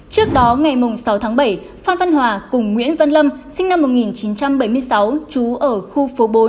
trước đó ngày sáu tháng bảy phan văn hòa cùng nguyễn văn lâm sinh năm một nghìn chín trăm bảy mươi sáu trú ở khu phố bốn